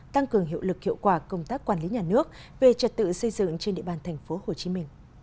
tăng cường hiệu lực hiệu quả công tác quản lý nhà nước về trật tự xây dựng trên địa bàn tp hcm